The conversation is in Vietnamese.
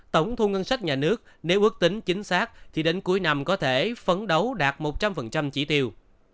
tổng thu ngân sách nhà nước nếu ước tính chính xác thì đến cuối năm có thể phấn đấu đạt một trăm linh chỉ tiêu